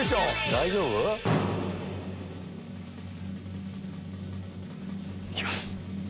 大丈夫？行きます。